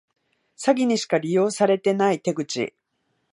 詐欺にしか利用されてない手口